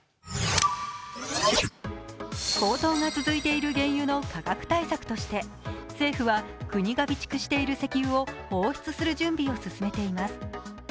高騰が続いている原油の価格対策として政府は国が備蓄している石油を放出する準備を進めています。